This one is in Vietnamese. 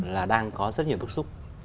là đang có rất nhiều bức xúc